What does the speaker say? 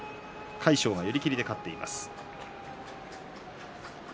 魁勝、寄り切りで勝っています。